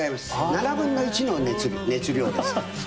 ７分の１の熱量ですから。